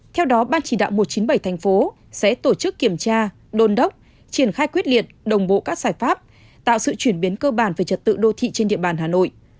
theo đó ban chỉ đạo một trăm chín mươi bảy thành phố sẽ tổ chức kiểm tra đôn đốc triển khai quyết liệt đồng bộ các giải pháp tạo sự chuyển biến cơ bản về trật tự đô thị trên địa bàn hà nội